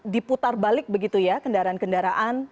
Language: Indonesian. diputar balik begitu ya kendaraan kendaraan